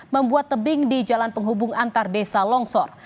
membuat tebing di jalan penghubung antar desa longsor